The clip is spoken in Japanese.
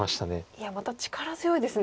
いやまた力強いですね。